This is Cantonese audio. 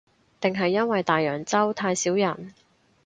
定係因為大洋洲太少人